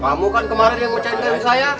kamu kan kemarin yang mecahin gayung saya